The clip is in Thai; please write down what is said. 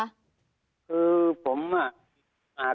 คือผมอะ